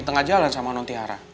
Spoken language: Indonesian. tengah jalan sama nontihara